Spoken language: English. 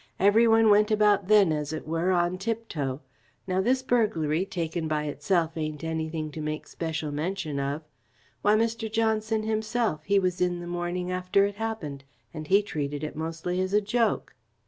Every one went about then, as it were, on tiptoe. Now this burglary, taken by itself, ain't anything to make special mention of. Why, Mr. Johnson himself, he was in the morning after it happened, and he treated it mostly as a joke."